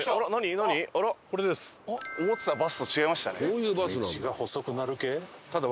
思ってたバスと違いましたね。